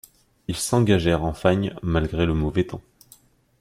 Ils s'engagèrent en Fagne, malgré le mauvais temps.